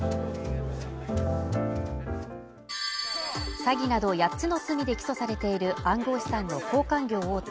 詐欺など８つの罪で起訴されている暗号資産の交換業大手